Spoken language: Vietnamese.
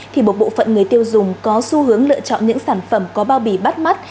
thì một bộ phận người tiêu dùng có xu hướng lựa chọn những sản phẩm có bao bì bắt mắt